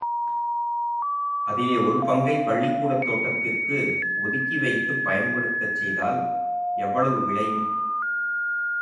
அதிலே ஒரு பங்கை பள்ளிக்கூடத் தோட்டத்திற்கு ஒதுக்கி வைத்துப் பயன்படுத்தச் செய்தால் எவ்வளவு விளையும்?